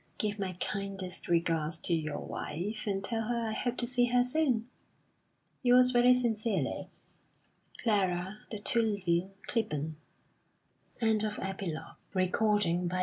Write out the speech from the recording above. "Give my kindest regards to your wife, and tell her I hope to see her soon. Yours very sincerely, "CLARA DE TULLEVILLE CLIBBORN." THE END _Printed by Cowan & Co.